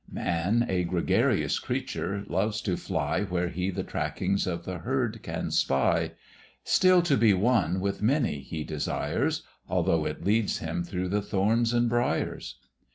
Man, a gregarious creature, loves to fly Where he the trackings of the herd can spy; Still to be one with many he desires, Although it leads him through the thorns and briers.